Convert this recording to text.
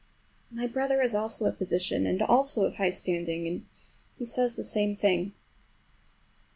My brother is also a physician, and also of high standing, and he says the same thing.